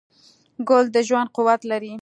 ګل د ژوند قوت لري.